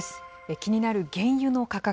気になる原油の価格。